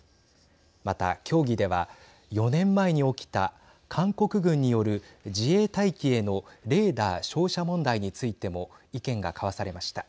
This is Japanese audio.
また、協議では４年前に起きた韓国軍による自衛隊機へのレーダー照射問題についても意見が交わされました。